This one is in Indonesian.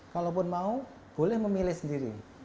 kalaupun mau boleh memilih sendiri